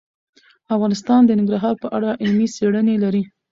افغانستان د ننګرهار په اړه علمي څېړنې لري.